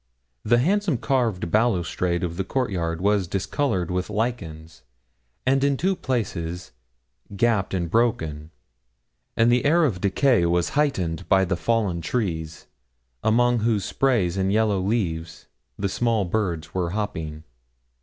The handsome carved balustrade of the court yard was discoloured with lichens, and in two places gapped and broken; and the air of decay was heightened by the fallen trees, among whose sprays and yellow leaves the small birds were hopping.